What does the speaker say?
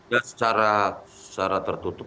ya secara tertutup